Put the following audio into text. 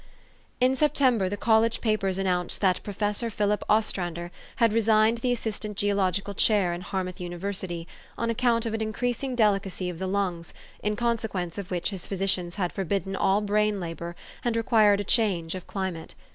IN September the college papers announced that Professor Philip Ostrander had resigned the as sistant geological chair in Harmouth University, on account of an increasing delicacy of the lungs, in consequence of which his physicians had forbidden all brain labor, and required a change of climate.